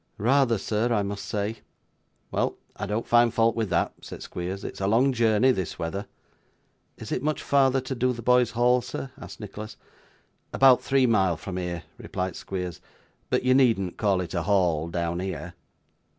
'Rather, sir, I must say.' 'Well, I don't find fault with that,' said Squeers; 'it's a long journey this weather.' 'Is it much farther to Dotheboys Hall, sir?' asked Nicholas. 'About three mile from here,' replied Squeers. 'But you needn't call it a Hall down here.